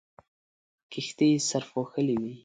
کښتۍ سرپوښلې وې.